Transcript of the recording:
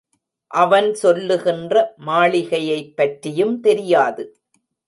அவன் சொல்லுகின்ற மாளிகையைப்பற்றியும் தெரியாது.